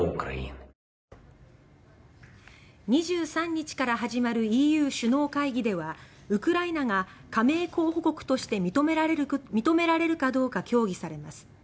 ２３日から始まるＥＵ首脳会議ではウクライナが加盟候補国として認められるかどうか協議されます。